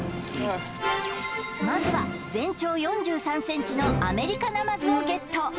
まずは全長４３ｃｍのアメリカナマズをゲット